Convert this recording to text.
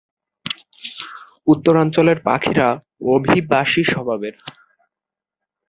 উত্তরাঞ্চলের পাখিরা অভিবাসী স্বভাবের।